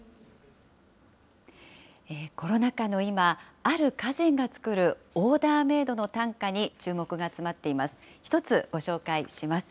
コロナ禍の今、ある歌人がつくるオーダーメードの短歌に注目が集まっています。